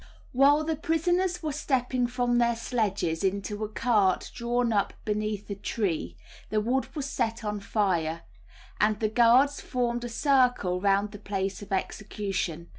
While the prisoners were stepping from their sledges into a cart drawn up beneath a tree, the wood was set on fire, and the guards formed a circle round the place of execution.